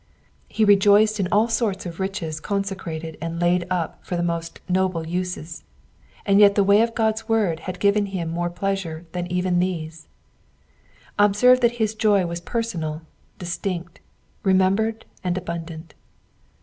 He rejoiced in all sorts of riches consecrated and laid up for the noblest uses, ana jet the way of God's word had given him more pleasure than even these. Observe that his joy was personal, distinct, remembered, and abundant.